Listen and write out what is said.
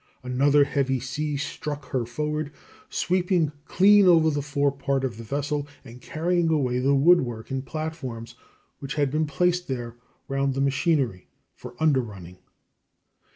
Another heavy sea struck her forward, sweeping clean over the fore part of the vessel and carrying away the woodwork and platforms which had been placed there round the machinery for underrunning.